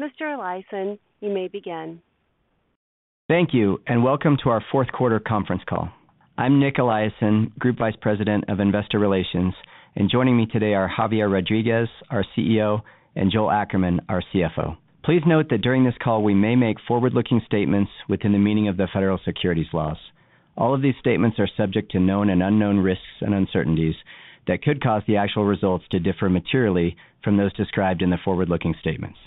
Mr. Eliason, you may begin. Thank you, and welcome to our fourth quarter conference call. I'm Nic Eliason, Group Vice President of Investor Relations, and joining me today are Javier Rodriguez, our CEO, and Joel Ackerman, our CFO. Please note that during this call we may make forward-looking statements within the meaning of the federal securities laws. All of these statements are subject to known and unknown risks and uncertainties that could cause the actual results to differ materially from those described in the forward-looking statements.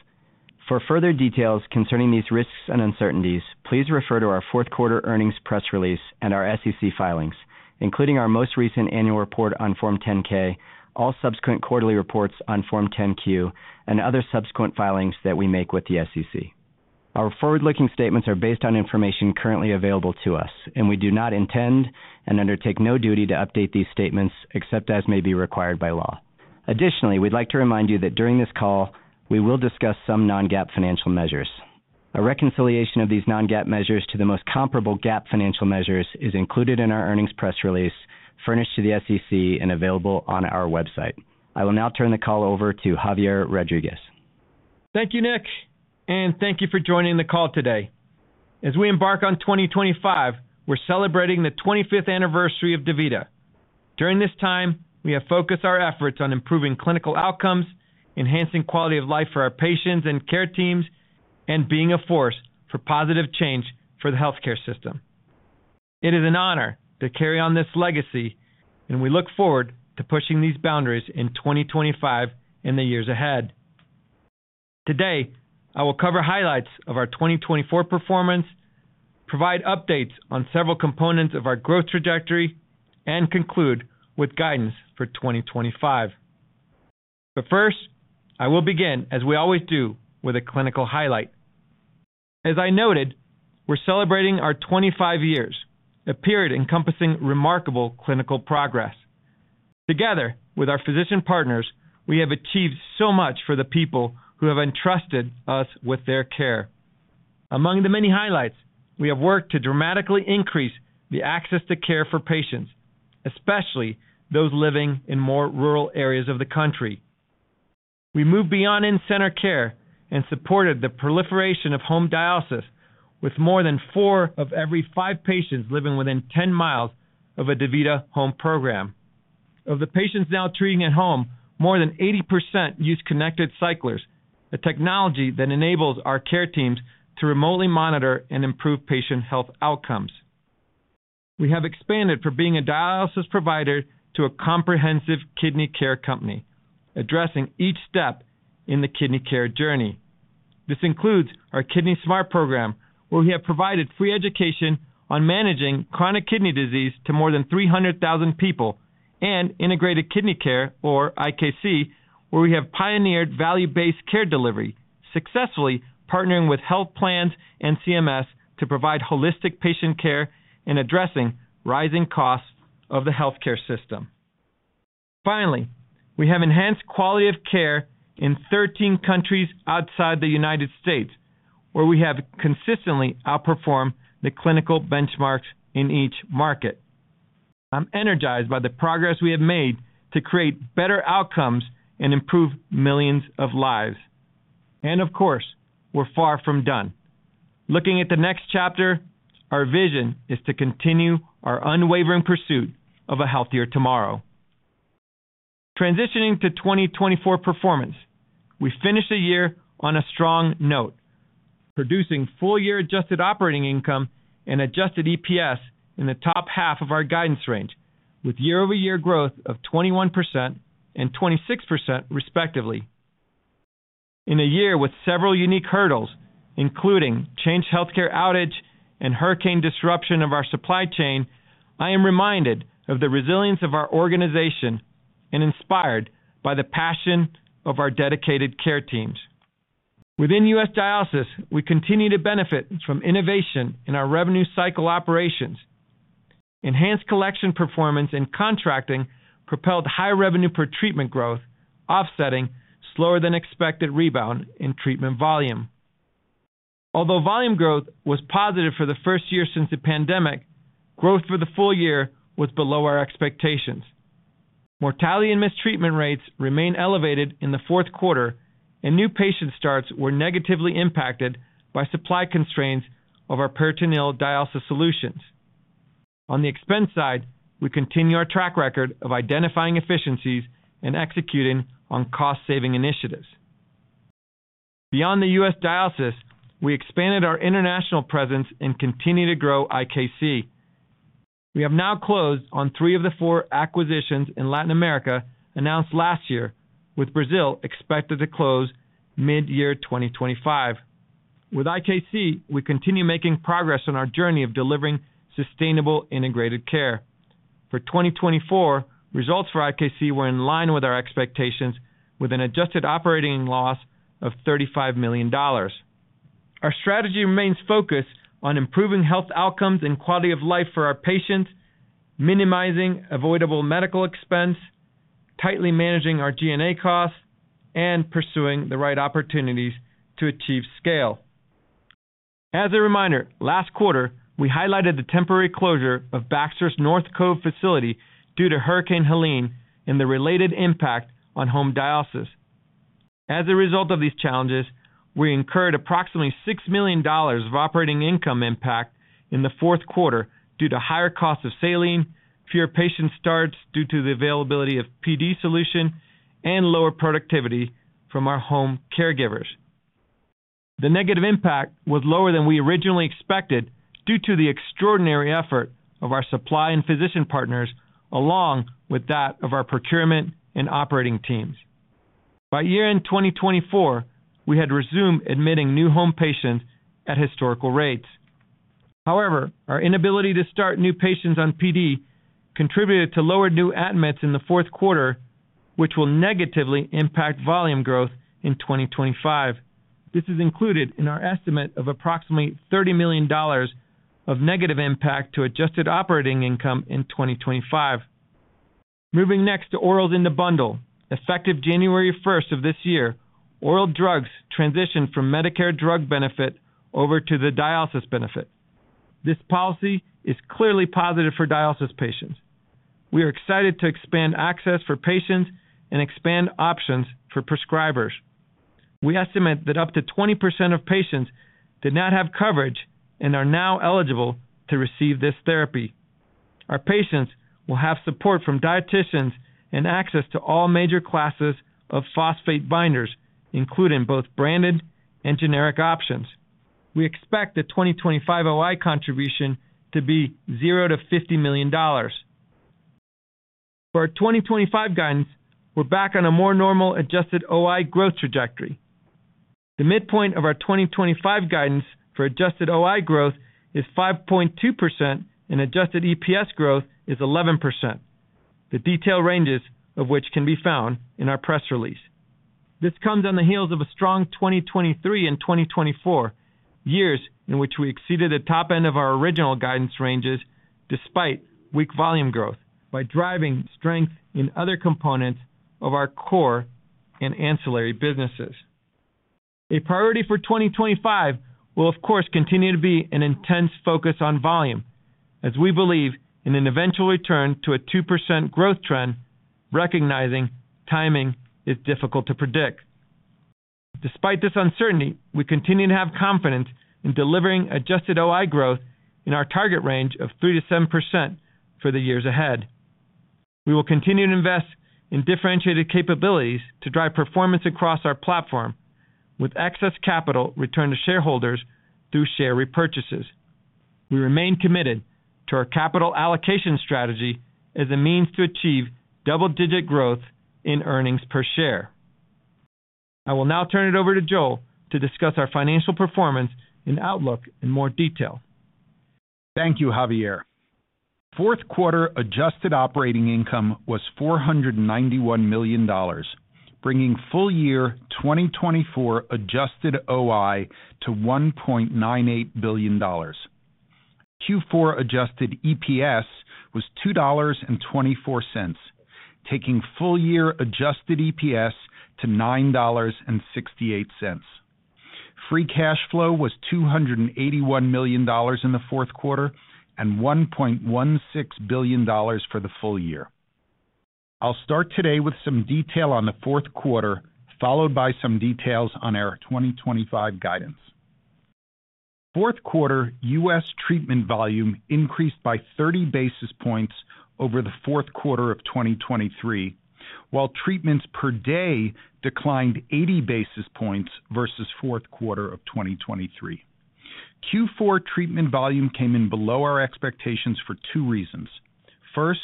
For further details concerning these risks and uncertainties, please refer to our fourth quarter earnings press release and our SEC filings, including our most recent annual report on Form 10-K, all subsequent quarterly reports on Form 10-Q, and other subsequent filings that we make with the SEC. Our forward-looking statements are based on information currently available to us, and we do not intend and undertake no duty to update these statements except as may be required by law. Additionally, we'd like to remind you that during this call we will discuss some non-GAAP financial measures. A reconciliation of these non-GAAP measures to the most comparable GAAP financial measures is included in our earnings press release, furnished to the SEC and available on our website. I will now turn the call over to Javier Rodriguez. Thank you, Nic, and thank you for joining the call today. As we embark on 2025, we're celebrating the 25th anniversary of DaVita. During this time, we have focused our efforts on improving clinical outcomes, enhancing quality of life for our patients and care teams, and being a force for positive change for the healthcare system. It is an honor to carry on this legacy, and we look forward to pushing these boundaries in 2025 and the years ahead. Today, I will cover highlights of our 2024 performance, provide updates on several components of our growth trajectory, and conclude with guidance for 2025. But first, I will begin, as we always do, with a clinical highlight. As I noted, we're celebrating our 25 years, a period encompassing remarkable clinical progress. Together with our physician partners, we have achieved so much for the people who have entrusted us with their care. Among the many highlights, we have worked to dramatically increase the access to care for patients, especially those living in more rural areas of the country. We moved beyond in-center care and supported the proliferation of home dialysis with more than four of every five patients living within 10 miles of a DaVita home program. Of the patients now treating at home, more than 80% use connected cyclers, a technology that enables our care teams to remotely monitor and improve patient health outcomes. We have expanded from being a dialysis provider to a comprehensive kidney care company, addressing each step in the kidney care journey. This includes our Kidney Smart program, where we have provided free education on managing chronic kidney disease to more than 300,000 people, and Integrated Kidney Care, or IKC, where we have pioneered value-based care delivery, successfully partnering with health plans and CMS to provide holistic patient care and addressing rising costs of the healthcare system. Finally, we have enhanced quality of care in 13 countries outside the United States, where we have consistently outperformed the clinical benchmarks in each market. I'm energized by the progress we have made to create better outcomes and improve millions of lives. And of course, we're far from done. Looking at the next chapter, our vision is to continue our unwavering pursuit of a healthier tomorrow. Transitioning to 2024 performance, we finished the year on a strong note, producing full-year adjusted operating income and adjusted EPS in the top half of our guidance range, with year-over-year growth of 21% and 26%, respectively. In a year with several unique hurdles, including Change Healthcare outage and hurricane disruption of our supply chain, I am reminded of the resilience of our organization and inspired by the passion of our dedicated care teams. Within U.S. dialysis, we continue to benefit from innovation in our revenue cycle operations. Enhanced collection performance and contracting propelled high revenue per treatment growth, offsetting slower-than-expected rebound in treatment volume. Although volume growth was positive for the first year since the pandemic, growth for the full year was below our expectations. Mortality and hospitalization rates remained elevated in the fourth quarter, and new patient starts were negatively impacted by supply constraints of our peritoneal dialysis solutions. On the expense side, we continue our track record of identifying efficiencies and executing on cost-saving initiatives. Beyond the U.S. dialysis, we expanded our international presence and continue to grow IKC. We have now closed on three of the four acquisitions in Latin America announced last year, with Brazil expected to close mid-year 2025. With IKC, we continue making progress on our journey of delivering sustainable integrated care. For 2024, results for IKC were in line with our expectations, with an adjusted operating loss of $35 million. Our strategy remains focused on improving health outcomes and quality of life for our patients, minimizing avoidable medical expense, tightly managing our G&A costs, and pursuing the right opportunities to achieve scale. As a reminder, last quarter, we highlighted the temporary closure of Baxter's North Cove facility due to Hurricane Helene and the related impact on home dialysis. As a result of these challenges, we incurred approximately $6 million of operating income impact in the fourth quarter due to higher costs of saline, fewer patient starts due to the availability of PD solution, and lower productivity from our home caregivers. The negative impact was lower than we originally expected due to the extraordinary effort of our supply and physician partners, along with that of our procurement and operating teams. By year-end 2024, we had resumed admitting new home patients at historical rates. However, our inability to start new patients on PD contributed to lower new admits in the fourth quarter, which will negatively impact volume growth in 2025. This is included in our estimate of approximately $30 million of negative impact to adjusted operating income in 2025. Moving next to orals in the bundle, effective January 1st of this year, oral drugs transitioned from Medicare drug benefit over to the dialysis benefit. This policy is clearly positive for dialysis patients. We are excited to expand access for patients and expand options for prescribers. We estimate that up to 20% of patients did not have coverage and are now eligible to receive this therapy. Our patients will have support from dietitians and access to all major classes of phosphate binders, including both branded and generic options. We expect the 2025 OI contribution to be $0-$50 million. For our 2025 guidance, we're back on a more normal adjusted OI growth trajectory. The midpoint of our 2025 guidance for adjusted OI growth is 5.2%, and adjusted EPS growth is 11%, the detailed ranges of which can be found in our press release. This comes on the heels of a strong 2023 and 2024, years in which we exceeded the top end of our original guidance ranges despite weak volume growth by driving strength in other components of our core and ancillary businesses. A priority for 2025 will, of course, continue to be an intense focus on volume, as we believe in an eventual return to a 2% growth trend, recognizing timing is difficult to predict. Despite this uncertainty, we continue to have confidence in delivering adjusted OI growth in our target range of 3%-7% for the years ahead. We will continue to invest in differentiated capabilities to drive performance across our platform, with excess capital returned to shareholders through share repurchases. We remain committed to our capital allocation strategy as a means to achieve double-digit growth in earnings per share. I will now turn it over to Joel to discuss our financial performance and outlook in more detail. Thank you, Javier. Fourth quarter adjusted operating income was $491 million, bringing full-year 2024 adjusted OI to $1.98 billion. Q4 adjusted EPS was $2.24, taking full-year adjusted EPS to $9.68. Free cash flow was $281 million in the fourth quarter and $1.16 billion for the full year. I'll start today with some detail on the fourth quarter, followed by some details on our 2025 guidance. Fourth quarter U.S. treatment volume increased by 30 basis points over the fourth quarter of 2023, while treatments per day declined 80 basis points versus the fourth quarter of 2023. Q4 treatment volume came in below our expectations for two reasons. First,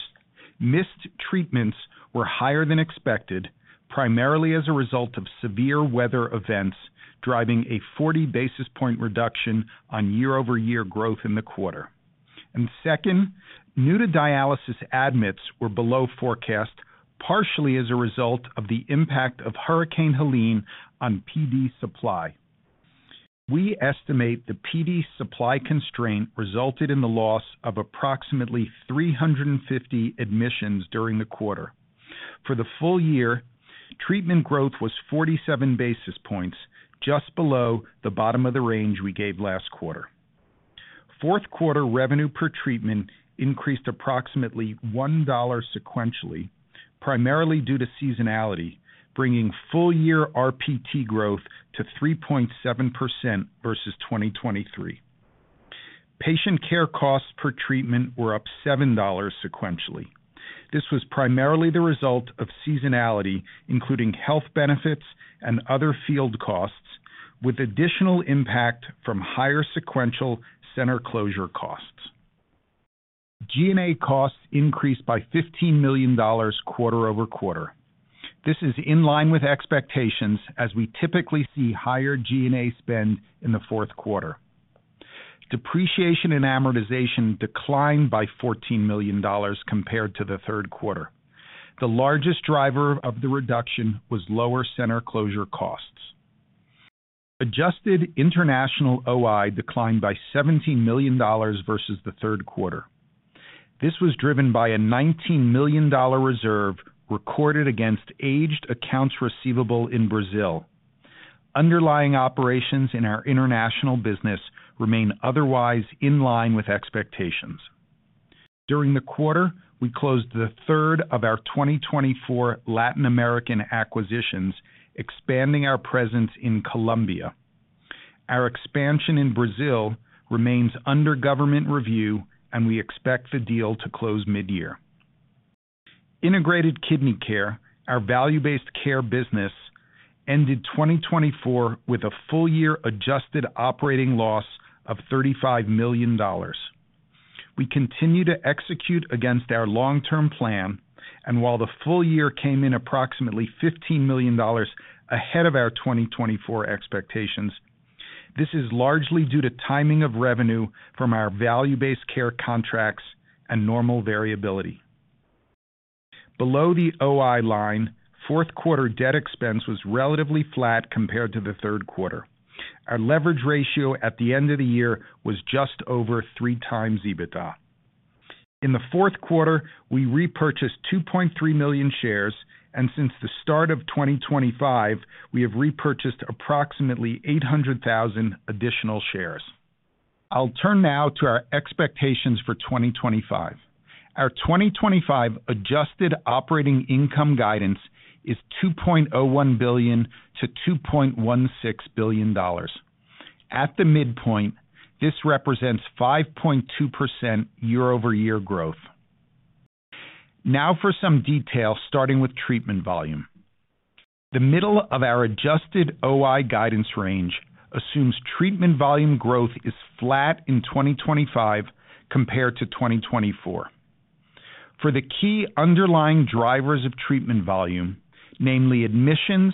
missed treatments were higher than expected, primarily as a result of severe weather events driving a 40 basis point reduction on year-over-year growth in the quarter. Second, new-to-dialysis admits were below forecast, partially as a result of the impact of Hurricane Helene on PD supply. We estimate the PD supply constraint resulted in the loss of approximately 350 admissions during the quarter. For the full year, treatment growth was 47 basis points, just below the bottom of the range we gave last quarter. Fourth quarter revenue per treatment increased approximately $1 sequentially, primarily due to seasonality, bringing full-year RPT growth to 3.7% versus 2023. Patient care costs per treatment were up $7 sequentially. This was primarily the result of seasonality, including health benefits and other field costs, with additional impact from higher sequential center closure costs. G&A costs increased by $15 million quarter over quarter. This is in line with expectations, as we typically see higher G&A spend in the fourth quarter. Depreciation and amortization declined by $14 million compared to the third quarter. The largest driver of the reduction was lower center closure costs. Adjusted international OI declined by $17 million versus the third quarter. This was driven by a $19 million reserve recorded against aged accounts receivable in Brazil. Underlying operations in our international business remain otherwise in line with expectations. During the quarter, we closed the third of our 2024 Latin American acquisitions, expanding our presence in Colombia. Our expansion in Brazil remains under government review, and we expect the deal to close mid-year. Integrated Kidney Care, our value-based care business, ended 2024 with a full-year adjusted operating loss of $35 million. We continue to execute against our long-term plan, and while the full year came in approximately $15 million ahead of our 2024 expectations, this is largely due to timing of revenue from our value-based care contracts and normal variability. Below the OI line, fourth quarter debt expense was relatively flat compared to the third quarter. Our leverage ratio at the end of the year was just over three times EBITDA. In the fourth quarter, we repurchased 2.3 million shares, and since the start of 2025, we have repurchased approximately 800,000 additional shares. I'll turn now to our expectations for 2025. Our 2025 adjusted operating income guidance is $2.01 billion-$2.16 billion. At the midpoint, this represents 5.2% year-over-year growth. Now for some detail, starting with treatment volume. The middle of our adjusted OI guidance range assumes treatment volume growth is flat in 2025 compared to 2024. For the key underlying drivers of treatment volume, namely admissions,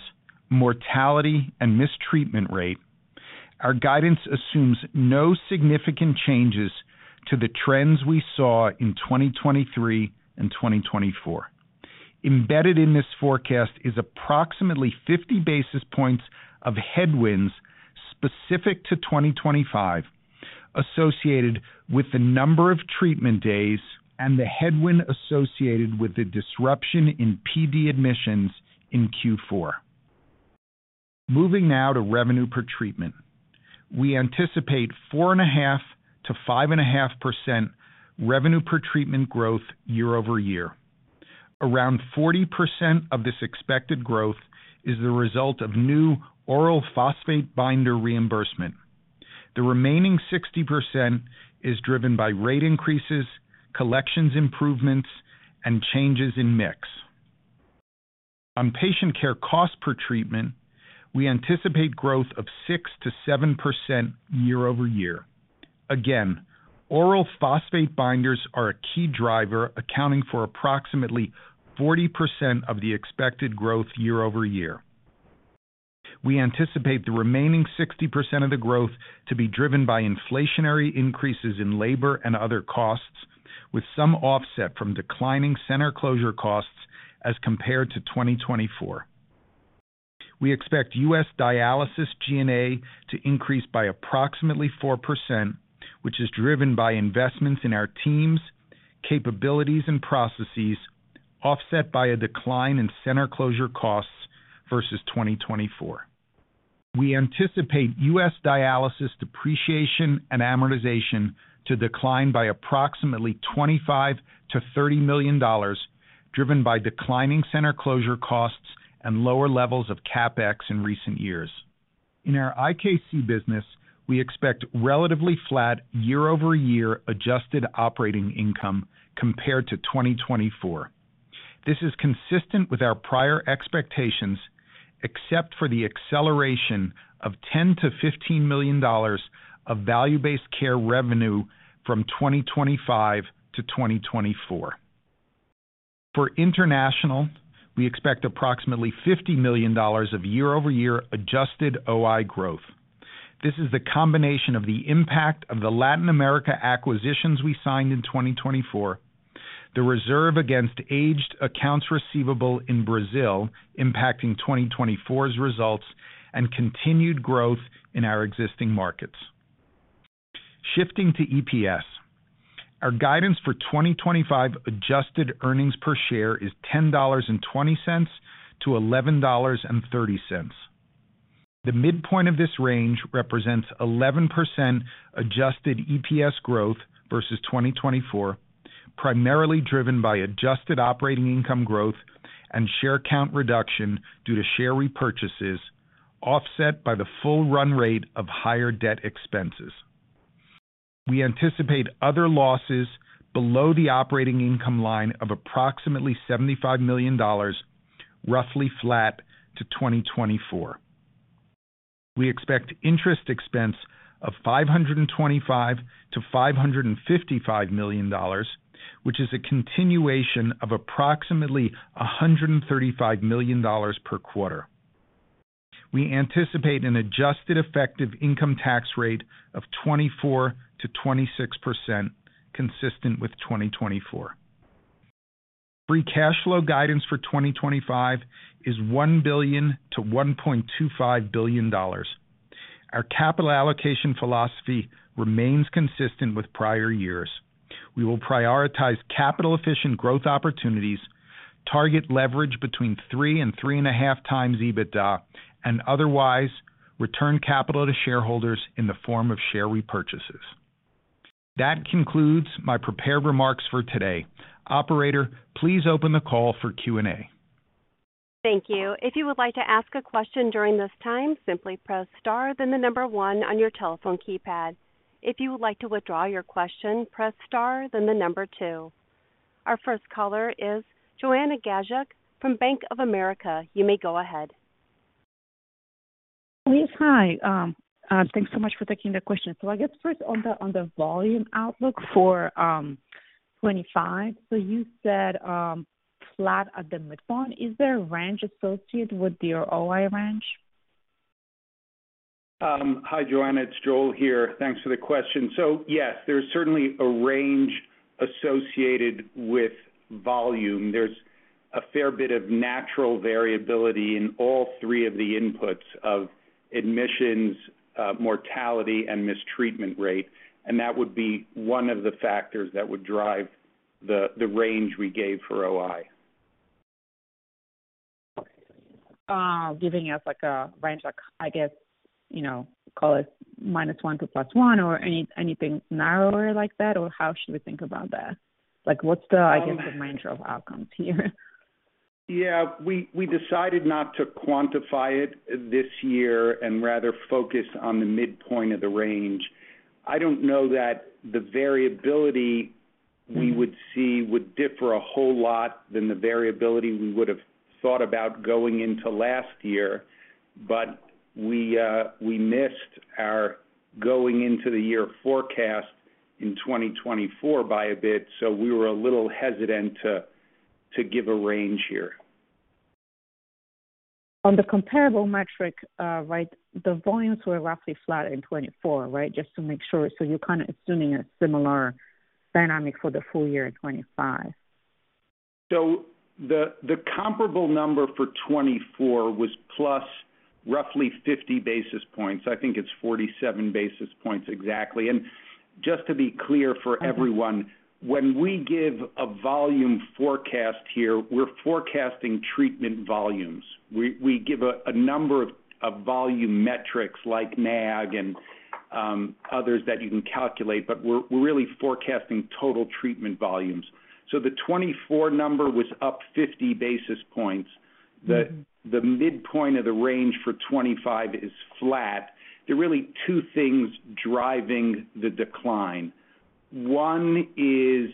mortality, and mistreatment rate, our guidance assumes no significant changes to the trends we saw in 2023 and 2024. Embedded in this forecast is approximately 50 basis points of headwinds specific to 2025, associated with the number of treatment days and the headwind associated with the disruption in PD admissions in Q4. Moving now to revenue per treatment. We anticipate 4.5%-5.5% revenue per treatment growth year-over-year. Around 40% of this expected growth is the result of new oral phosphate binder reimbursement. The remaining 60% is driven by rate increases, collections improvements, and changes in mix. On patient care cost per treatment, we anticipate growth of 6%-7% year-over-year. Again, oral phosphate binders are a key driver, accounting for approximately 40% of the expected growth year-over-year. We anticipate the remaining 60% of the growth to be driven by inflationary increases in labor and other costs, with some offset from declining center closure costs as compared to 2024. We expect U.S. Dialysis G&A to increase by approximately 4%, which is driven by investments in our teams, capabilities, and processes, offset by a decline in center closure costs versus 2024. We anticipate U.S. dialysis depreciation and amortization to decline by approximately $25 million-$30 million, driven by declining center closure costs and lower levels of CapEx in recent years. In our IKC business, we expect relatively flat year-over-year adjusted operating income compared to 2024. This is consistent with our prior expectations, except for the acceleration of $10 million-$15 million of value-based care revenue from 2025 to 2024. For international, we expect approximately $50 million of year-over-year adjusted OI growth. This is the combination of the impact of the Latin America acquisitions we signed in 2024, the reserve against aged accounts receivable in Brazil impacting 2024's results, and continued growth in our existing markets. Shifting to EPS, our guidance for 2025 adjusted earnings per share is $10.20 to $11.30. The midpoint of this range represents 11% adjusted EPS growth versus 2024, primarily driven by adjusted operating income growth and share count reduction due to share repurchases, offset by the full run rate of higher debt expenses. We anticipate other losses below the operating income line of approximately $75 million, roughly flat to 2024. We expect interest expense of $525 million-$555 million, which is a continuation of approximately $135 million per quarter. We anticipate an adjusted effective income tax rate of 24% to 26%, consistent with 2024. Free cash flow guidance for 2025 is $1 billion-$1.25 billion. Our capital allocation philosophy remains consistent with prior years. We will prioritize capital-efficient growth opportunities, target leverage between three and 3.5 times EBITDA, and otherwise return capital to shareholders in the form of share repurchases. That concludes my prepared remarks for today. Operator, please open the call for Q&A. Thank you. If you would like to ask a question during this time, simply press star, then the number one on your telephone keypad. If you would like to withdraw your question, press star, then the number two. Our first caller is Joanna Gajuk from Bank of America. You may go ahead. Yes, hi. Thanks so much for taking the question. So I guess first on the volume outlook for 2025, so you said flat at the midpoint. Is there a range associated with your OI range? Hi, Joanna. It's Joel here. Thanks for the question. So yes, there's certainly a range associated with volume. There's a fair bit of natural variability in all three of the inputs of admissions, mortality, and transplant rate, and that would be one of the factors that would drive the range we gave for OI. Giving us a range of, I guess, call it minus one to plus one or anything narrower like that, or how should we think about that? What's the, I guess, range of outcomes here? Yeah, we decided not to quantify it this year and rather focus on the midpoint of the range. I don't know that the variability we would see would differ a whole lot than the variability we would have thought about going into last year, but we missed our going into the year forecast in 2024 by a bit, so we were a little hesitant to give a range here. On the comparable metric, the volumes were roughly flat in 2024, right? Just to make sure. So you're kind of assuming a similar dynamic for the full year in 2025. The comparable number for 2024 was plus roughly 50 basis points. I think it's 47 basis points exactly. And just to be clear for everyone, when we give a volume forecast here, we're forecasting treatment volumes. We give a number of volume metrics like NAG and others that you can calculate, but we're really forecasting total treatment volumes. So the 2024 number was up 50 basis points. The midpoint of the range for 2025 is flat. There are really two things driving the decline. One is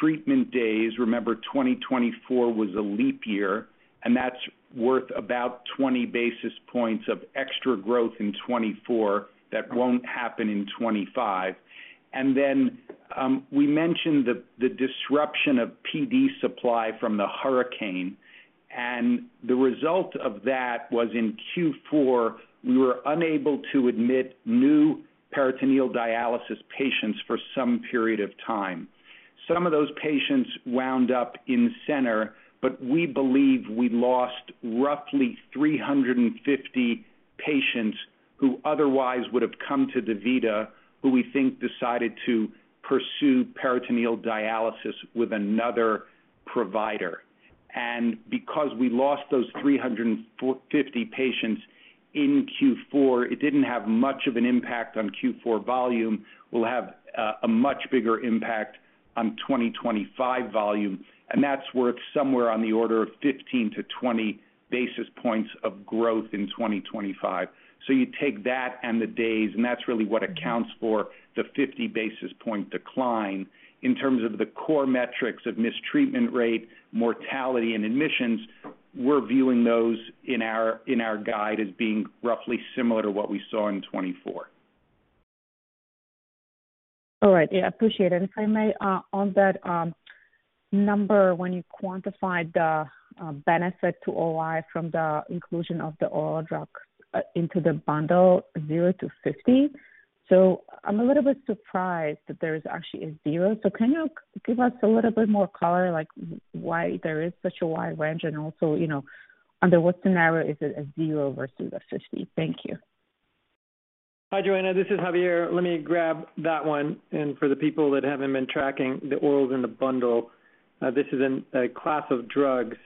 treatment days. Remember, 2024 was a leap year, and that's worth about 20 basis points of extra growth in 2024 that won't happen in 2025. And then we mentioned the disruption of PD supply from the hurricane, and the result of that was in Q4, we were unable to admit new peritoneal dialysis patients for some period of time. Some of those patients wound up in center, but we believe we lost roughly 350 patients who otherwise would have come to DaVita, who we think decided to pursue peritoneal dialysis with another provider, and because we lost those 350 patients in Q4, it didn't have much of an impact on Q4 volume. We'll have a much bigger impact on 2025 volume, and that's worth somewhere on the order of 15-20 basis points of growth in 2025, so you take that and the days, and that's really what accounts for the 50 basis point decline. In terms of the core metrics of hospitalization rate, mortality, and admissions, we're viewing those in our guide as being roughly similar to what we saw in 2024. All right. Yeah, appreciate it. If I may, on that number, when you quantified the benefit to OI from the inclusion of the oral drugs into the bundle, 0-50, so I'm a little bit surprised that there is actually a 0. So can you give us a little bit more color like why there is such a wide range and also under what scenario is it a 0 versus a 50? Thank you. Hi, Joanna. This is Javier. Let me grab that one, and for the people that haven't been tracking the orals in the bundle, this is a class of drugs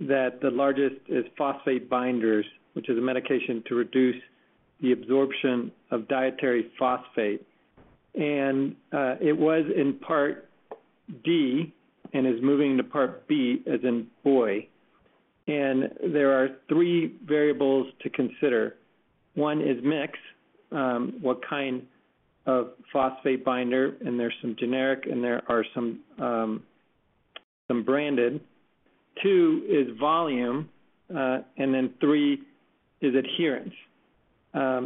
that the largest is phosphate binders, which is a medication to reduce the absorption of dietary phosphate. And it was in Part D and is moving to Part B, as in boy. And there are three variables to consider. One is mix, what kind of phosphate binder, and there's some generic, and there are some branded. Two is volume, and then three is adherence.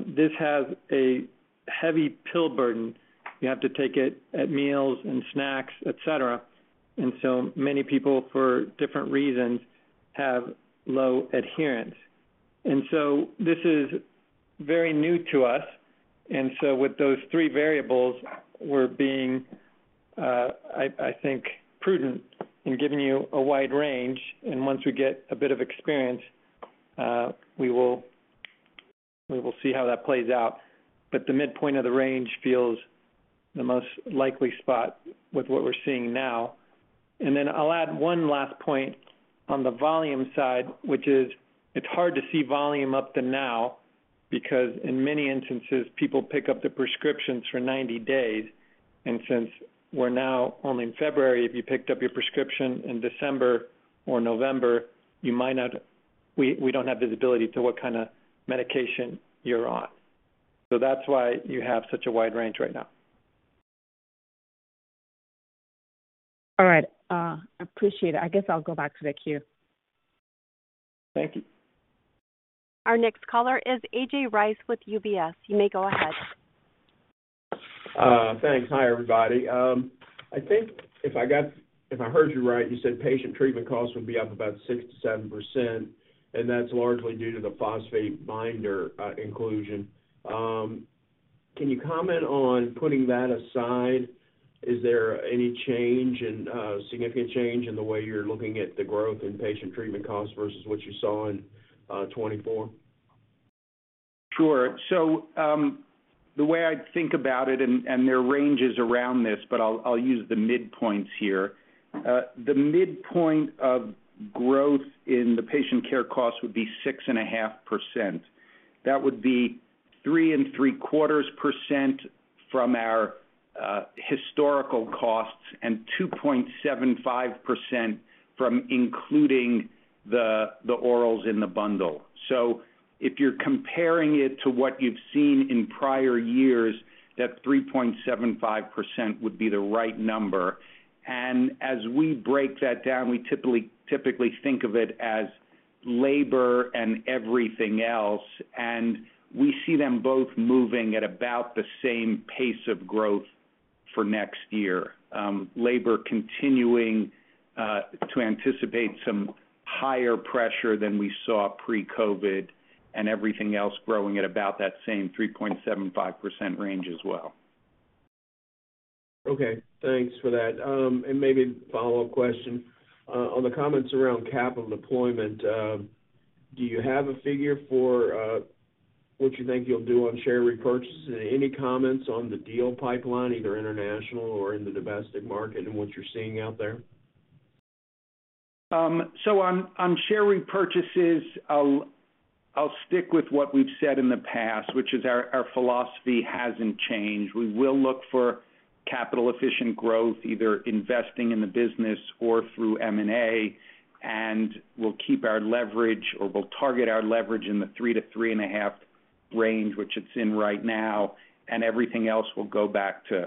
This has a heavy pill burden. You have to take it at meals and snacks, etc. And so many people, for different reasons, have low adherence. And so this is very new to us. And so with those three variables, we're being, I think, prudent in giving you a wide range. And once we get a bit of experience, we will see how that plays out. But the midpoint of the range feels the most likely spot with what we're seeing now. And then I'll add one last point on the volume side, which is it's hard to see volume up to now because in many instances, people pick up their prescriptions for 90 days. And since we're now only in February, if you picked up your prescription in December or November, you might not, we don't have visibility to what kind of medication you're on. So that's why you have such a wide range right now. All right. I appreciate it. I guess I'll go back to the queue. Thank you. Our next caller is AJ Rice with UBS. You may go ahead. Thanks. Hi, everybody. I think if I heard you right, you said patient treatment costs would be up about 6% to 7%, and that's largely due to the phosphate binder inclusion. Can you comment on putting that aside? Is there any significant change in the way you're looking at the growth in patient treatment costs versus what you saw in 2024? Sure. So the way I think about it, and there are ranges around this, but I'll use the midpoints here. The midpoint of growth in the patient care costs would be 6.5%. That would be 3.75% from our historical costs and 2.75% from including the orals in the bundle. So if you're comparing it to what you've seen in prior years, that 3.75% would be the right number. As we break that down, we typically think of it as labor and everything else, and we see them both moving at about the same pace of growth for next year. Labor continuing to anticipate some higher pressure than we saw pre-COVID and everything else growing at about that same 3.75% range as well. Okay. Thanks for that. And maybe a follow-up question. On the comments around capital deployment, do you have a figure for what you think you'll do on share repurchases? Any comments on the deal pipeline, either international or in the domestic market, and what you're seeing out there? On share repurchases, I'll stick with what we've said in the past, which is our philosophy hasn't changed. We will look for capital-efficient growth, either investing in the business or through M&A, and we'll keep our leverage or we'll target our leverage in the 3-3.5 range, which it's in right now, and everything else will go back to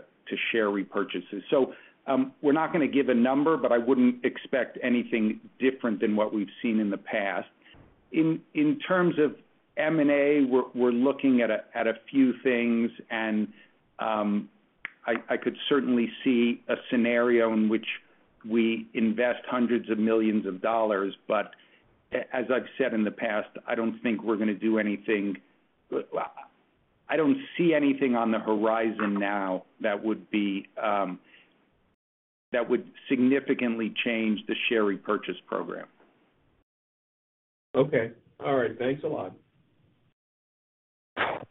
share repurchases. We're not going to give a number, but I wouldn't expect anything different than what we've seen in the past. In terms of M&A, we're looking at a few things, and I could certainly see a scenario in which we invest hundreds of millions of dollars. But as I've said in the past, I don't think we're going to do anything. I don't see anything on the horizon now that would significantly change the share repurchase program. Okay. All right. Thanks a lot.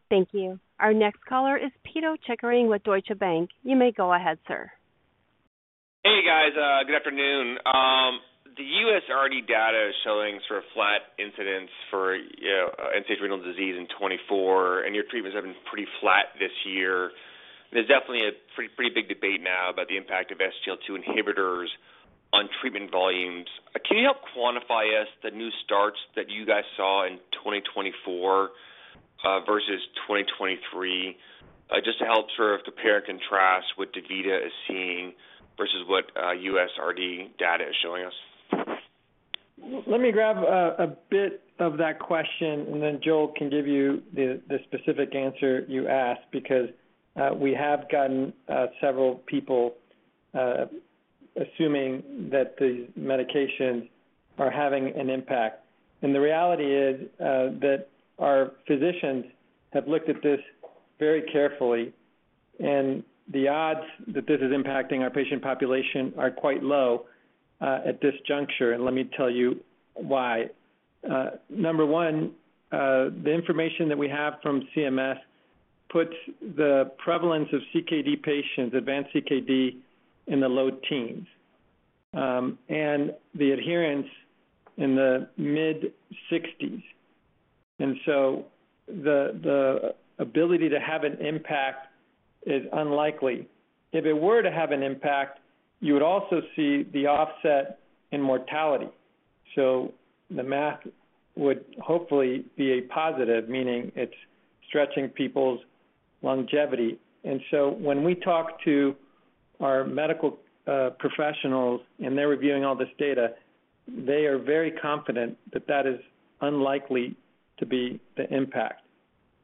Thank you. Our next caller is Pito Chickering with Deutsche Bank. You may go ahead, sir. Hey, guys. Good afternoon. The USRDS data is showing sort of flat incidence for end-stage renal disease in 2024, and your treatments have been pretty flat this year. There's definitely a pretty big debate now about the impact of SGLT2 inhibitors on treatment volumes. Can you help quantify us the new starts that you guys saw in 2024 versus 2023, just to help sort of compare and contrast what DaVita is seeing versus what USRDS data is showing us? Let me grab a bit of that question, and then Joel can give you the specific answer you asked because we have gotten several people assuming that these medications are having an impact, and the reality is that our physicians have looked at this very carefully, and the odds that this is impacting our patient population are quite low at this juncture, and let me tell you why. Number one, the information that we have from CMS puts the prevalence of CKD patients, advanced CKD, in the low teens and the adherence in the mid-60s, and so the ability to have an impact is unlikely. If it were to have an impact, you would also see the offset in mortality, so the math would hopefully be a positive, meaning it's stretching people's longevity. So when we talk to our medical professionals and they're reviewing all this data, they are very confident that that is unlikely to be the impact.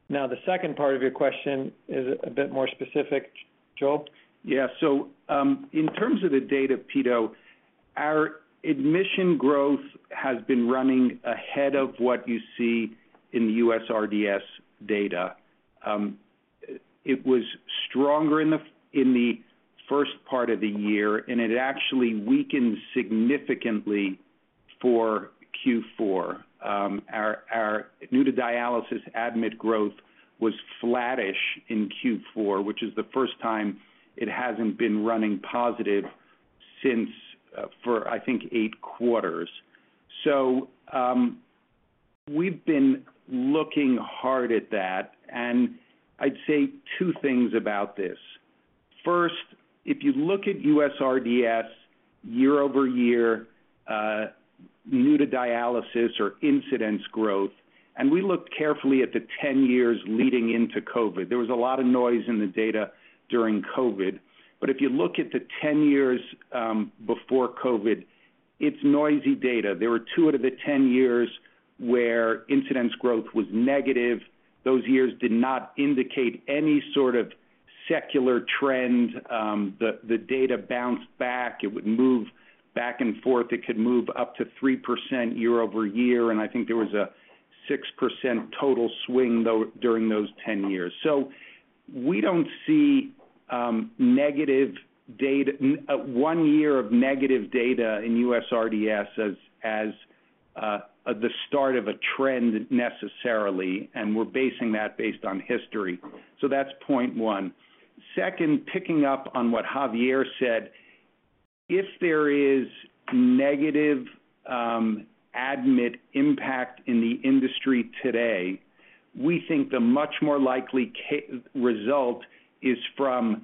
Now, the second part of your question is a bit more specific, Joel. Yeah. So in terms of the data, Peter, our admission growth has been running ahead of what you see in the USRDS data. It was stronger in the first part of the year, and it actually weakened significantly for Q4. Our new-to-dialysis admit growth was flattish in Q4, which is the first time it hasn't been running positive since for, I think, eight quarters. So we've been looking hard at that. And I'd say two things about this. First, if you look at USRDS year over year, new-to-dialysis or incidence growth, and we looked carefully at the 10 years leading into COVID. There was a lot of noise in the data during COVID. But if you look at the 10 years before COVID, it's noisy data. There were two out of the 10 years where incidence growth was negative. Those years did not indicate any sort of secular trend. The data bounced back. It would move back and forth. It could move up to 3% year over year. And I think there was a 6% total swing during those 10 years. So we don't see one year of negative data in USRDS as the start of a trend necessarily, and we're basing that on history. So that's point one. Second, picking up on what Javier said, if there is negative admit impact in the industry today, we think the much more likely result is from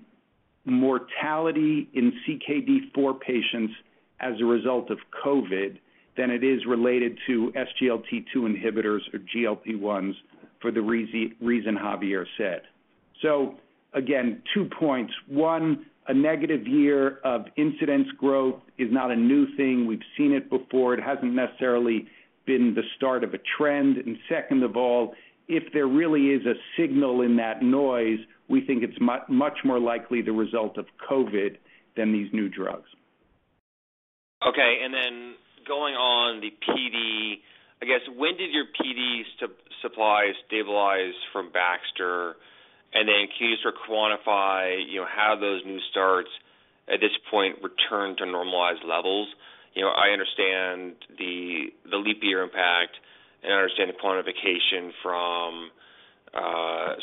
mortality in CKD 4 patients as a result of COVID than it is related to SGLT2 inhibitors or GLP-1s for the reason Javier said. So again, two points. One, a negative year of incidence growth is not a new thing. We've seen it before. It hasn't necessarily been the start of a trend. Second of all, if there really is a signal in that noise, we think it's much more likely the result of COVID than these new drugs. Okay. And then, going on the PD, I guess, when did your PD supplies stabilize from Baxter? And then, can you just sort of quantify how those new starts at this point returned to normalized levels? I understand the leap year impact, and I understand the quantification from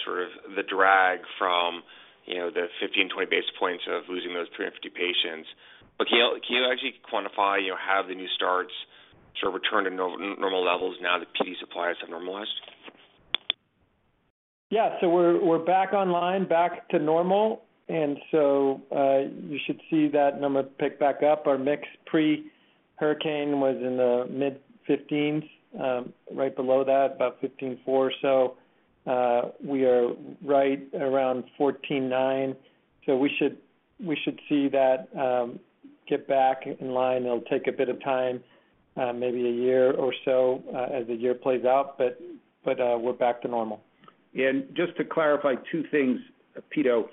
sort of the drag from the 15-20 basis points of losing those 350 patients. But can you actually quantify how the new starts sort of returned to normal levels now that PD supplies have normalized? Yeah. So we're back online, back to normal. And so you should see that number pick back up. Our mix pre-hurricane was in the mid-15s, right below that, about 15.4 or so. We are right around 14.9. So we should see that get back in line. It'll take a bit of time, maybe a year or so, as the year plays out, but we're back to normal. Just to clarify two things, Peter.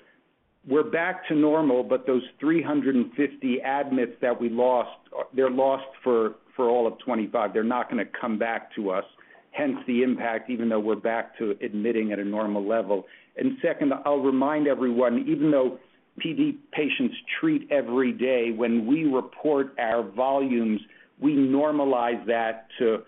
We're back to normal, but those 350 admits that we lost, they're lost for all of 2025. They're not going to come back to us, hence the impact, even though we're back to admitting at a normal level. Second, I'll remind everyone, even though PD patients treat every day, when we report our volumes, we normalize that to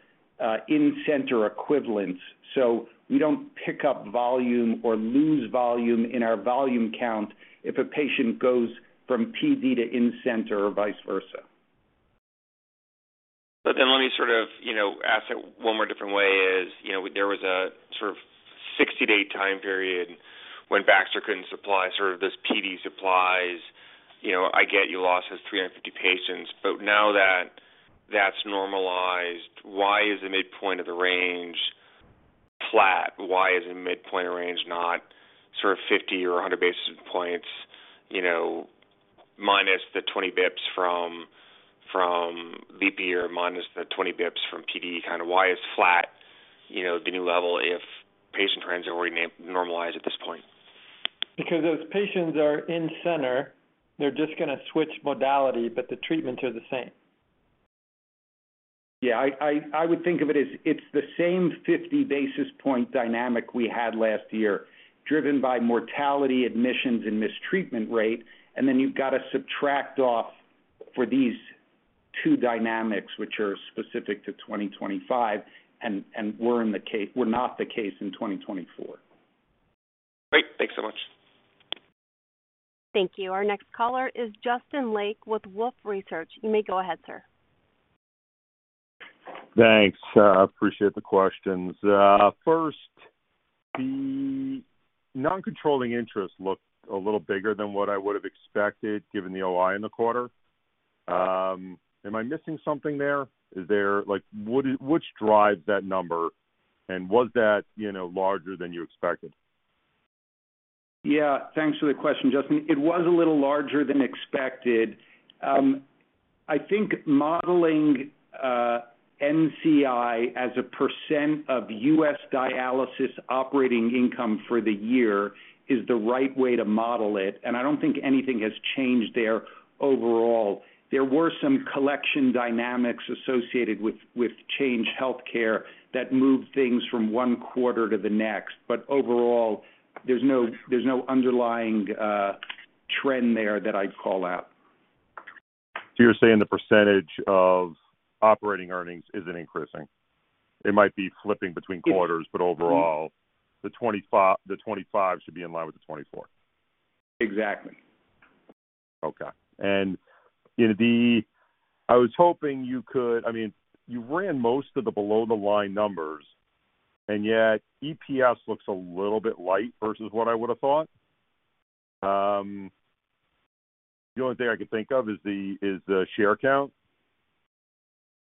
in-center equivalents. So we don't pick up volume or lose volume in our volume count if a patient goes from PD to in-center or vice versa. But then let me sort of ask it one more different way. Is there was a sort of 60-day time period when Baxter couldn't supply sort of those PD supplies. I get you lost those 350 patients, but now that that's normalized, why is the midpoint of the range flat? Why is the midpoint of range not sort of 50 or 100 basis points minus the 20 basis points from leap year minus the 20 basis points from PD? Kind of why is flat the new level if patient trends have already normalized at this point? Because those patients are in-center, they're just going to switch modality, but the treatments are the same. Yeah. I would think of it as it's the same 50 basis points dynamic we had last year, driven by mortality, admissions, and mix treatment rate, and then you've got to subtract off for these two dynamics, which are specific to 2025, and which were not the case in 2024. Great. Thanks so much. Thank you. Our next caller is Justin Lake with Wolfe Research. You may go ahead, sir. Thanks. I appreciate the questions. First, the non-controlling interest looked a little bigger than what I would have expected given the OI in the quarter. Am I missing something there? Which drives that number, and was that larger than you expected? Yeah. Thanks for the question, Justin. It was a little larger than expected. I think modeling NCI as a % of US dialysis operating income for the year is the right way to model it. And I don't think anything has changed there overall. There were some collection dynamics associated with Change Healthcare that moved things from one quarter to the next. But overall, there's no underlying trend there that I'd call out. So you're saying the percentage of operating earnings isn't increasing? It might be flipping between quarters, but overall, the 25 should be in line with the 24? Exactly. Okay. And I was hoping you could, I mean, you ran most of the below-the-line numbers, and yet EPS looks a little bit light versus what I would have thought. The only thing I could think of is the share count.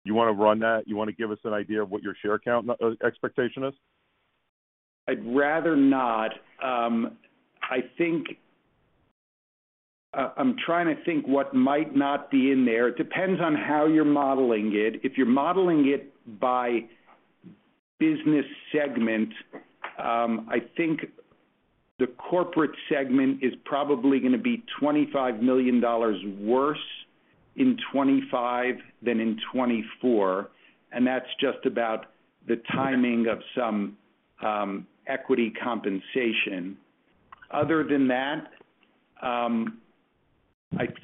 You want to run that? You want to give us an idea of what your share count expectation is? I'd rather not. I'm trying to think what might not be in there. It depends on how you're modeling it. If you're modeling it by business segment, I think the corporate segment is probably going to be $25 million worse in 2025 than in 2024. And that's just about the timing of some equity compensation. Other than that, I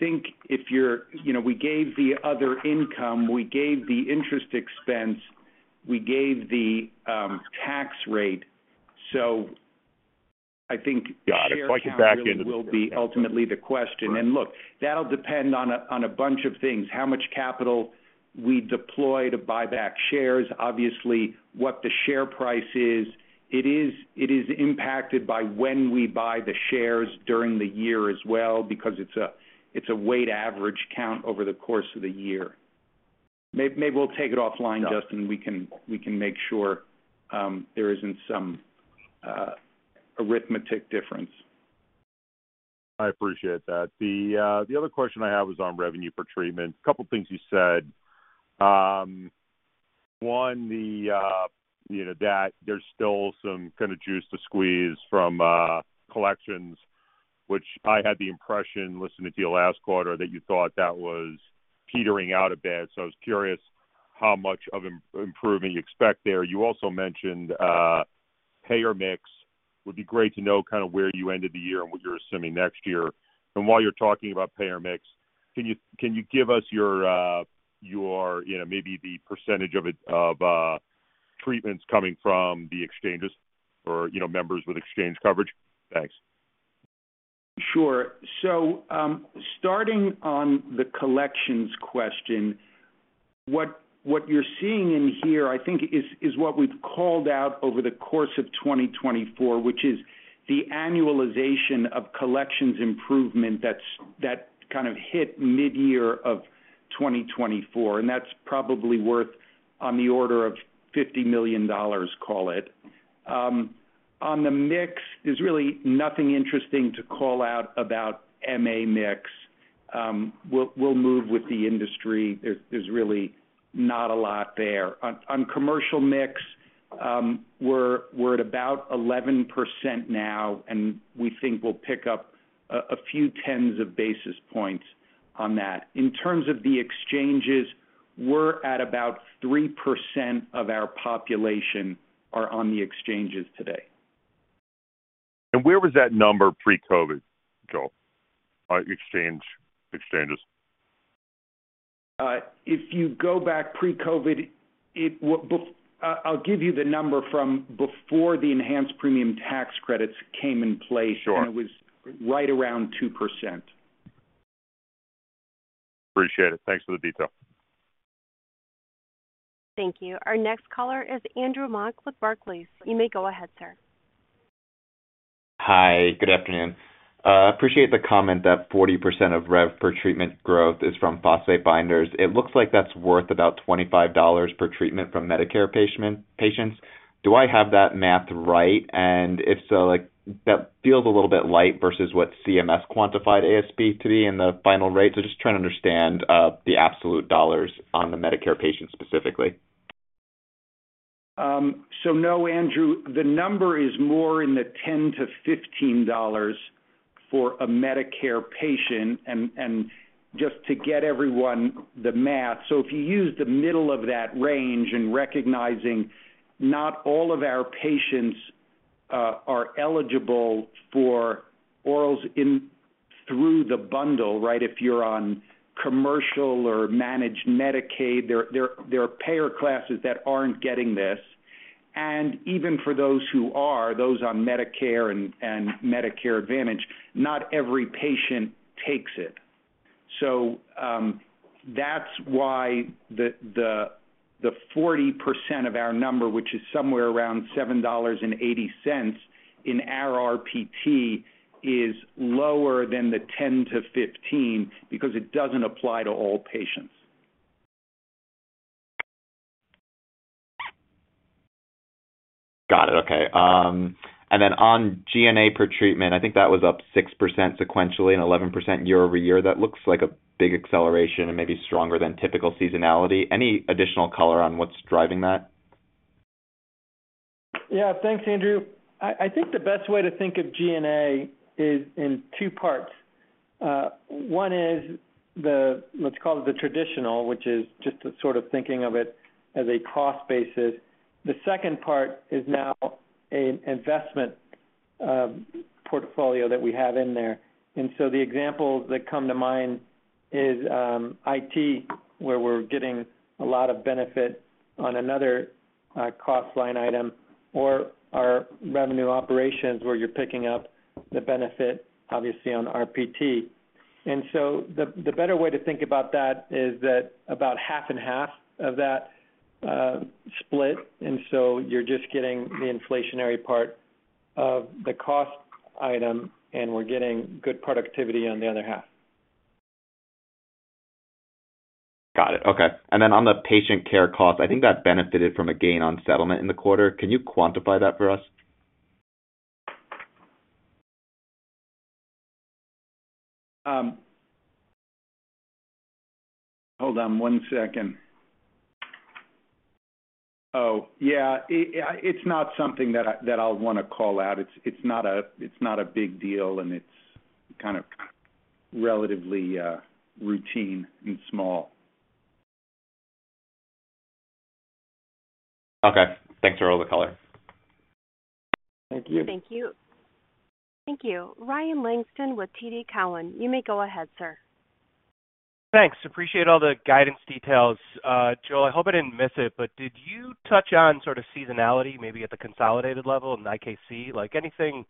think if you're—we gave the other income, we gave the interest expense, we gave the tax rate. So I think share count will be ultimately the question. And look, that'll depend on a bunch of things: how much capital we deploy to buy back shares, obviously what the share price is. It is impacted by when we buy the shares during the year as well because it's a weighted average count over the course of the year. Maybe we'll take it offline, Justin, and we can make sure there isn't some arithmetic difference. I appreciate that. The other question I have is on revenue for treatment. A couple of things you said. One, that there's still some kind of juice to squeeze from collections, which I had the impression listening to you last quarter that you thought that was petering out a bit. So I was curious how much of an improvement you expect there. You also mentioned payer mix. Would be great to know kind of where you ended the year and what you're assuming next year. And while you're talking about payer mix, can you give us your maybe the percentage of treatments coming from the exchanges or members with exchange coverage? Thanks. Sure. So starting on the collections question, what you're seeing in here, I think, is what we've called out over the course of 2024, which is the annualization of collections improvement that kind of hit mid-year of 2024. And that's probably worth on the order of $50 million, call it. On the mix, there's really nothing interesting to call out about MA mix. We'll move with the industry. There's really not a lot there. On commercial mix, we're at about 11% now, and we think we'll pick up a few tens of basis points on that. In terms of the exchanges, we're at about 3% of our population are on the exchanges today. Where was that number pre-COVID, Joel, exchanges? If you go back pre-COVID, I'll give you the number from before the enhanced premium tax credits came in place, and it was right around 2%. Appreciate it. Thanks for the detail. Thank you. Our next caller is Andrew Mok with Barclays. You may go ahead, sir. Hi. Good afternoon. I appreciate the comment that 40% of rev per treatment growth is from phosphate binders. It looks like that's worth about $25 per treatment from Medicare patients. Do I have that math right? And if so, that feels a little bit light versus what CMS quantified ASP to be in the final rate. So just trying to understand the absolute dollars on the Medicare patient specifically. No, Andrew, the number is more in the $10-$15 for a Medicare patient. Just to get everyone the math, if you use the middle of that range and recognizing not all of our patients are eligible for orals through the bundle, right, if you're on commercial or managed Medicaid, there are payer classes that aren't getting this. Even for those who are, those on Medicare and Medicare Advantage, not every patient takes it. That's why the 40% of our number, which is somewhere around $7.80 in RPT, is lower than the $10-$15 because it doesn't apply to all patients. Got it. Okay. And then on G&A per treatment, I think that was up 6% sequentially and 11% year over year. That looks like a big acceleration and maybe stronger than typical seasonality. Any additional color on what's driving that? Yeah. Thanks, Andrew. I think the best way to think of G&A is in two parts. One is, let's call it the traditional, which is just sort of thinking of it as a cost basis. The second part is now an investment portfolio that we have in there. And so the examples that come to mind is IT, where we're getting a lot of benefit on another cost line item, or our revenue operations, where you're picking up the benefit, obviously, on RPT. And so the better way to think about that is that about half and half of that split. And so you're just getting the inflationary part of the cost item, and we're getting good productivity on the other half. Got it. Okay. And then on the patient care cost, I think that benefited from a gain on settlement in the quarter. Can you quantify that for us? Hold on one second. Oh, yeah. It's not something that I'll want to call out. It's not a big deal, and it's kind of relatively routine and small. Okay. Thanks for all the color. Thank you. Thank you. Thank you. Ryan Langston with TD Cowen. You may go ahead, sir. Thanks. Appreciate all the guidance details. Joel, I hope I didn't miss it, but did you touch on sort of seasonality maybe at the consolidated level in IKC? Anything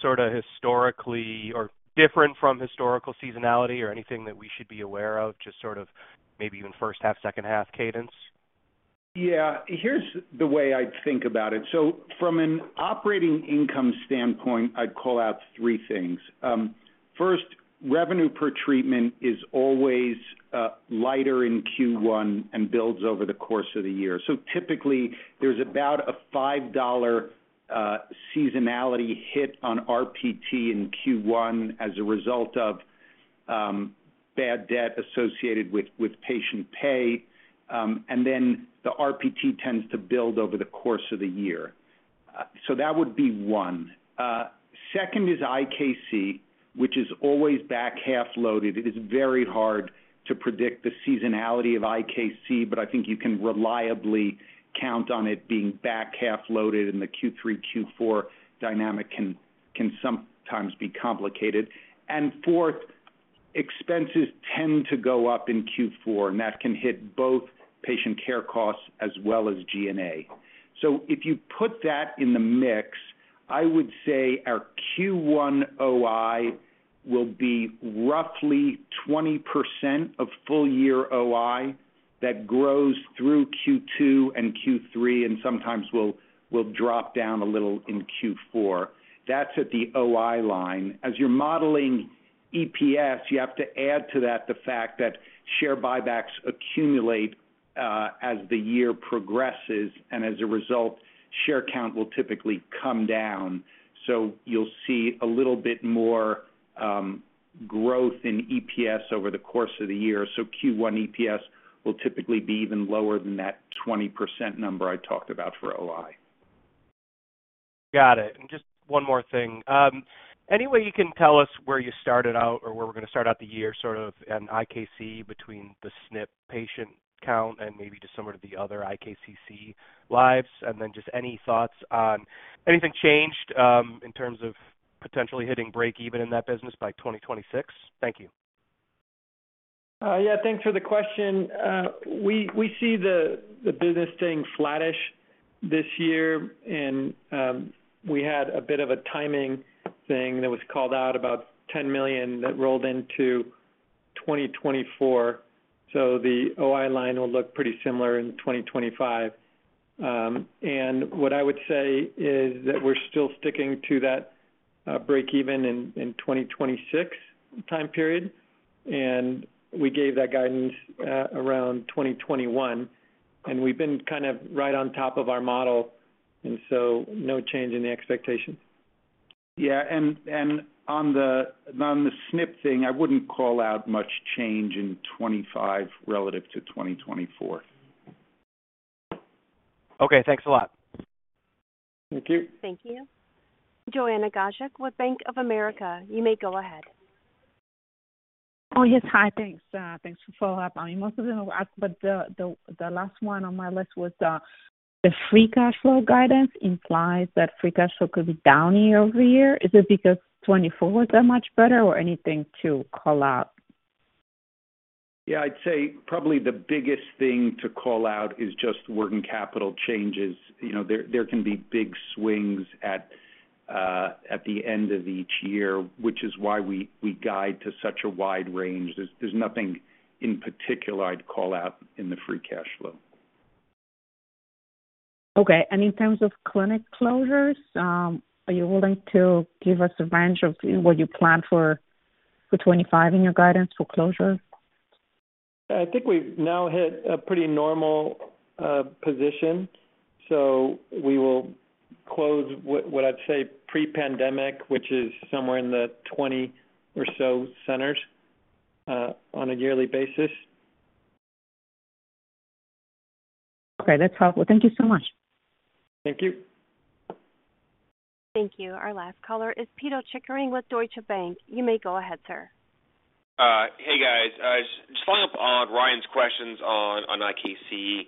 sort of historically or different from historical seasonality or anything that we should be aware of, just sort of maybe even first half, second half cadence? Yeah. Here's the way I'd think about it. So from an operating income standpoint, I'd call out three things. First, revenue per treatment is always lighter in Q1 and builds over the course of the year. So typically, there's about a $5 seasonality hit on RPT in Q1 as a result of bad debt associated with patient pay. And then the RPT tends to build over the course of the year. So that would be one. Second is IKC, which is always back half loaded. It is very hard to predict the seasonality of IKC, but I think you can reliably count on it being back half loaded in the Q3, Q4 dynamic can sometimes be complicated. And fourth, expenses tend to go up in Q4, and that can hit both patient care costs as well as G&A. So if you put that in the mix, I would say our Q1 OI will be roughly 20% of full year OI that grows through Q2 and Q3, and sometimes will drop down a little in Q4. That's at the OI line. As you're modeling EPS, you have to add to that the fact that share buybacks accumulate as the year progresses, and as a result, share count will typically come down. So you'll see a little bit more growth in EPS over the course of the year. So Q1 EPS will typically be even lower than that 20% number I talked about for OI. Got it. And just one more thing. Any way you can tell us where you started out or where we're going to start out the year sort of in IKC between the SNP patient count and maybe just some of the other CKCC lives? And then just any thoughts on anything changed in terms of potentially hitting break even in that business by 2026? Thank you. Yeah. Thanks for the question. We see the business staying flattish this year, and we had a bit of a timing thing that was called out about $10 million that rolled into 2024. So the OI line will look pretty similar in 2025. And what I would say is that we're still sticking to that break even in 2026 time period. And we gave that guidance around 2021, and we've been kind of right on top of our model. And so no change in the expectations. Yeah. And on the SNP thing, I wouldn't call out much change in 2025 relative to 2024. Okay. Thanks a lot. Thank you. Thank you. Joanna Gajuk with Bank of America. You may go ahead. Oh, yes. Hi. Thanks. Thanks for following up. I mean, most of them were asked, but the last one on my list was the free cash flow guidance implies that free cash flow could be down year-over-year. Is it because 2024 was that much better or anything to call out? Yeah. I'd say probably the biggest thing to call out is just working capital changes. There can be big swings at the end of each year, which is why we guide to such a wide range. There's nothing in particular I'd call out in the free cash flow. Okay. And in terms of clinic closures, are you willing to give us a range of what you plan for 2025 in your guidance for closure? I think we've now hit a pretty normal position so we will close what I'd say pre-pandemic, which is somewhere in the 20 or so centers on a yearly basis. Okay. That's helpful. Thank you so much. Thank you. Thank you. Our last caller is Pito Chickering with Deutsche Bank. You may go ahead, sir. Hey, guys. Just following up on Ryan's questions on IKC.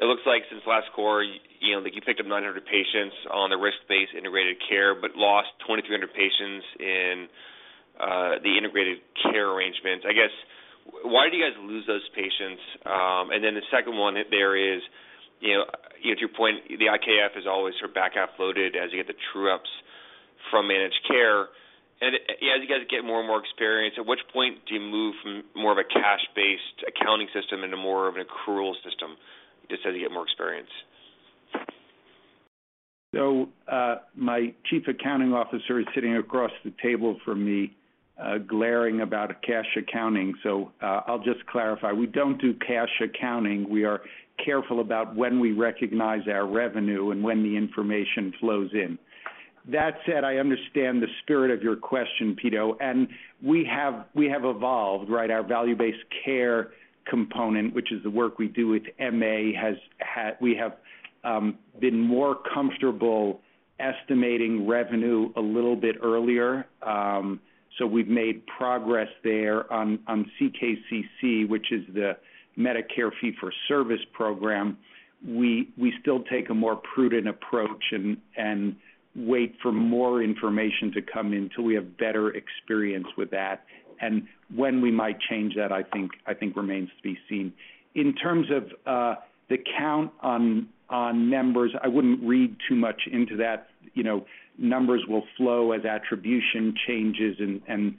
It looks like since last quarter, you picked up 900 patients on the risk-based integrated care but lost 2,300 patients in the integrated care arrangement. I guess, why did you guys lose those patients? And then the second one there is, to your point, the IKC is always sort of back half loaded as you get the true-ups from managed care. And as you guys get more and more experience, at which point do you move from more of a cash-based accounting system into more of an accrual system just as you get more experience? My chief accounting officer is sitting across the table from me, glaring about cash accounting. I'll just clarify. We don't do cash accounting. We are careful about when we recognize our revenue and when the information flows in. That said, I understand the spirit of your question, Pito. We have evolved, right? Our value-based care component, which is the work we do with MA, we have been more comfortable estimating revenue a little bit earlier. We've made progress there on CKCC, which is the Medicare fee-for-service program. We still take a more prudent approach and wait for more information to come in until we have better experience with that. When we might change that, I think, remains to be seen. In terms of the count on members, I wouldn't read too much into that. Numbers will flow as attribution changes, and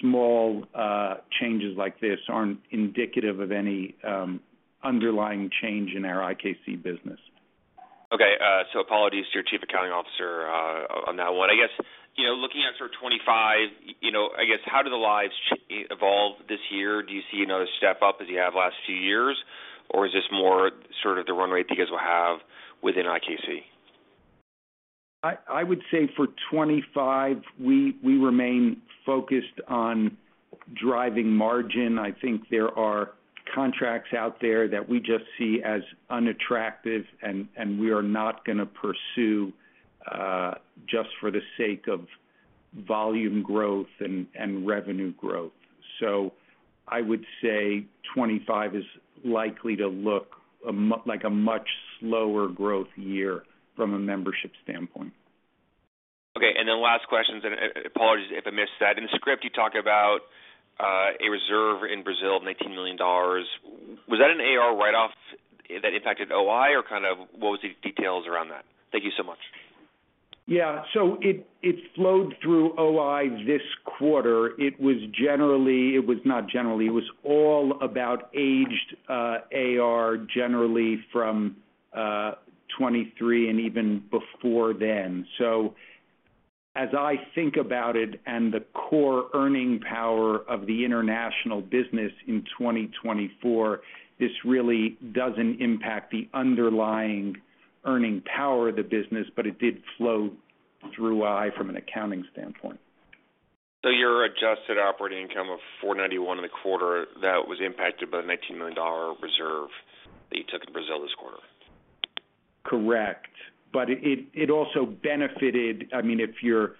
small changes like this aren't indicative of any underlying change in our IKC business. Okay, so apologies to your Chief Accounting Officer on that one. I guess, looking at sort of 2025, I guess, how do the lives evolve this year? Do you see another step up as you have last few years, or is this more sort of the run rate that you guys will have within IKC? I would say for 2025, we remain focused on driving margin. I think there are contracts out there that we just see as unattractive, and we are not going to pursue just for the sake of volume growth and revenue growth. So I would say 2025 is likely to look like a much slower growth year from a membership standpoint. Okay. And then last questions. And apologies if I missed that. In the script, you talk about a reserve in Brazil of $19 million. Was that an AR write-off that impacted OI, or kind of what was the details around that? Thank you so much. Yeah. So it flowed through OI this quarter. It was generally - it was not generally. It was all about aged AR generally from 2023 and even before then. So as I think about it and the core earning power of the international business in 2024, this really doesn't impact the underlying earning power of the business, but it did flow through OI from an accounting standpoint. So your Adjusted Operating Income of $491 in the quarter, that was impacted by the $19 million reserve that you took in Brazil this quarter? Correct. But it also benefited, I mean, if you're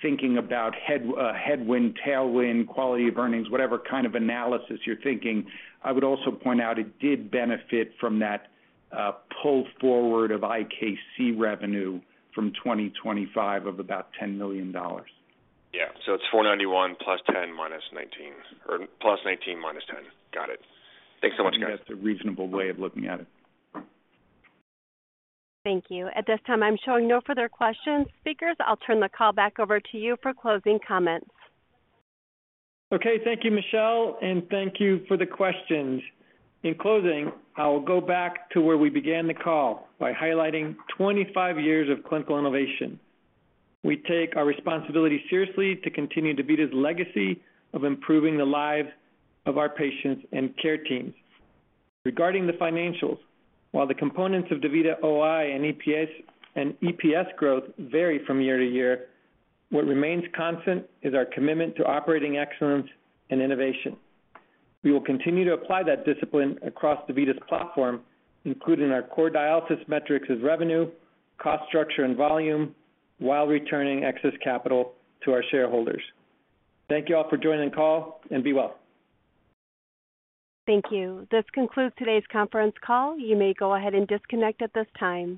thinking about headwind, tailwind, quality of earnings, whatever kind of analysis you're thinking, I would also point out it did benefit from that pull forward of IKC revenue from 2025 of about $10 million. Yeah. So it's $491 plus 10 minus 19 or plus 19 minus 10. Got it. Thanks so much, guys. I think that's a reasonable way of looking at it. Thank you. At this time, I'm showing no further questions. Speakers, I'll turn the call back over to you for closing comments. Okay. Thank you, Michelle, and thank you for the questions. In closing, I will go back to where we began the call by highlighting 25 years of clinical innovation. We take our responsibility seriously to continue DaVita's legacy of improving the lives of our patients and care teams. Regarding the financials, while the components of DaVita OI and EPS growth vary from year to year, what remains constant is our commitment to operating excellence and innovation. We will continue to apply that discipline across DaVita's platform, including our core dialysis metrics as revenue, cost structure, and volume, while returning excess capital to our shareholders. Thank you all for joining the call and be well. Thank you. This concludes today's conference call. You may go ahead and disconnect at this time.